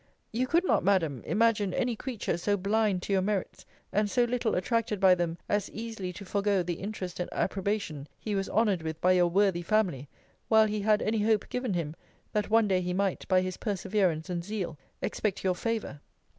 You could not, Madam, imagine any creature so blind to your merits, and so little attracted by them, as easily to forego the interest and approbation he was honoured with by your worthy family, while he had any hope given him, that one day he might, by his perseverance and zeal, expect your favour.